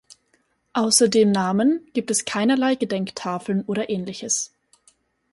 Außer dem Namen gibt es keinerlei Gedenktafel oder ähnliches.